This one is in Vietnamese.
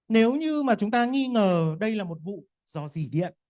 nếu như mà chúng ta nghi ngờ đây là một vụ dò dỉ điện